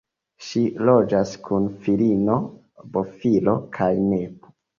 Ŝi loĝas kun filino, bofilo kaj nepo.